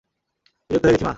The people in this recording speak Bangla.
বিরক্ত হয়ে গেছি, মা!